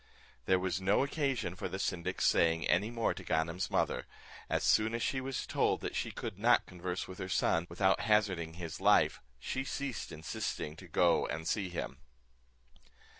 There was no occasion for the syndic's saying any more to Ganem's mother; as soon as she was told that she could not converse with her son, without hazarding his life, she ceased insisting to go and see him.